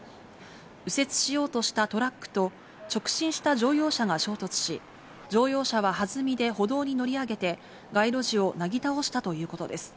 右折しようとしたトラックと直進した乗用車が衝突し、乗用車ははずみで歩道に乗り上げて街路樹をなぎ倒したということです。